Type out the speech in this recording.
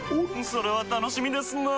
それは楽しみですなぁ。